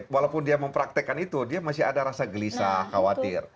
walaupun dia mempraktekkan itu dia masih ada rasa gelisah khawatir